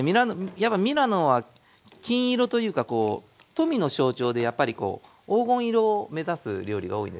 やっぱミラノは金色というかこう富の象徴でやっぱりこう黄金色を目指す料理が多いんですよ。